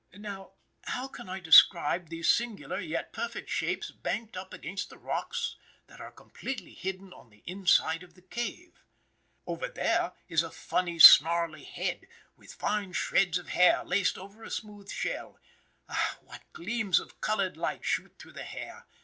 Now, how can I describe these singular yet perfect shapes banked up against rocks that are completely hidden on the inside of the cave? Over there is a funny, snarly head, with fine shreds of hair laced over a smooth shell. Ah, what gleams of colored light shoot through the hair!